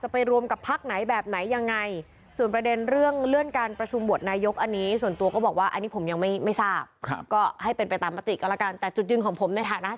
ผมก็จะโหวตให้ครับ